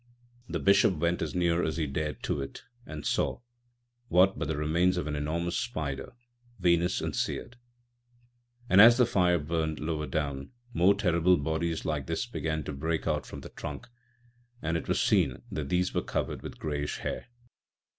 The Bishop went as near as he dared to it, and saw â€" what but the remains of an enormous spider, veinous and seared! And, as the fire burned lower down, more terrible bodies like this began to break out from the trunk, and it was seen that these were covered with greyish hair.